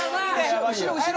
「後ろ後ろ！」